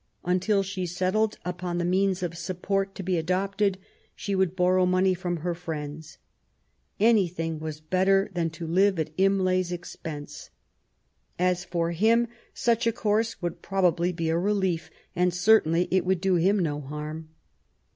Until she settled upon the means of support to be adopted^ she would borrow money from her friends. Anything was better than to live at Imlay's expense. As for him, such a course would probably be a relief, and certainly it would do him no harm.